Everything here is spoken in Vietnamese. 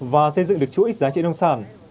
và xây dựng được chuỗi giá trị nông sản